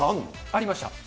ありました。